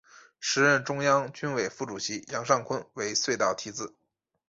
时任中央军委副主席杨尚昆为隧道题字。